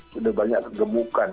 sudah banyak tergebukan